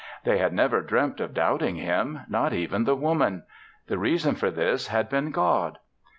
They had never dreamt of doubting him not even the Woman. The reason for this had been God.